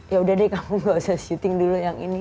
ya udah deh kamu gak usah syuting dulu yang ini